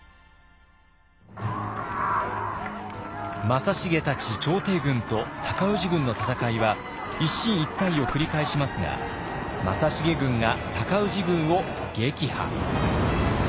正成たち朝廷軍と尊氏軍の戦いは一進一退を繰り返しますが正成軍が尊氏軍を撃破。